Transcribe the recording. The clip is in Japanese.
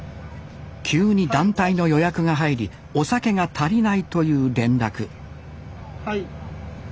急に団体の予約が入りお酒が足りないという連絡はい。